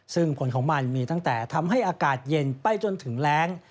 ซึ่งผลของมันมีตั้งแต่ทำให้อากาศเย็นไปจนถึงแรง